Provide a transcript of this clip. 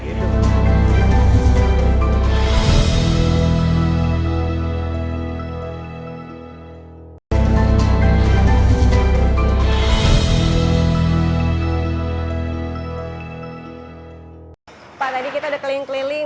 pak tadi kita udah keliling keliling